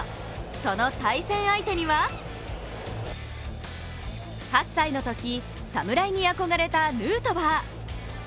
その対戦相手には８歳のとき、侍に憧れたヌートバー。